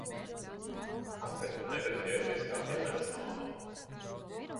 Kāpēc tu nevari ģērbties kā Elenas mamma?